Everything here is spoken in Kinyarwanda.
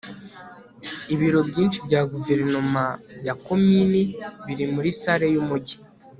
ibiro byinshi bya guverinoma ya komini biri muri salle yumujyi